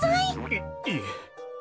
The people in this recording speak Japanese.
いいえ。